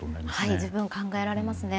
十分考えられますね。